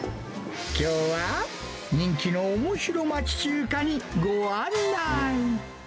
きょうは、人気のおもしろ町中華にご案内。